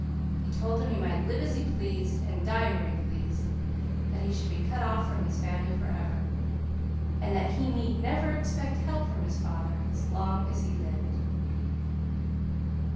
He told him he might live as he pleased, and die where he pleased, that he should be cut off from his family forever, and that he need never expect help from his father as long as he lived.